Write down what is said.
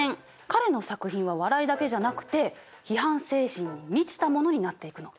彼の作品は笑いだけじゃなくて批判精神に満ちたものになっていくの。